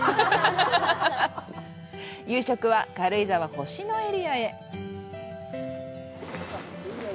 夕食は、軽井沢星野エリアへ。